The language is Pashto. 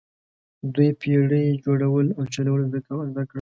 دوی بیړۍ جوړول او چلول زده کړل.